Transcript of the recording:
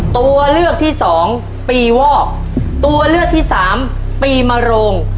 ตัวเลือกที่สองปีวอกตัวเลือกที่สามปีมโรง